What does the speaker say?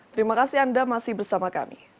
terima kasih anda masih bersama kami